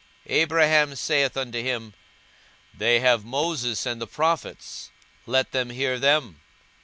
42:016:029 Abraham saith unto him, They have Moses and the prophets; let them hear them.